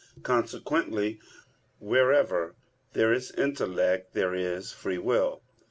Consequently, wherever there is intellect, there is free will.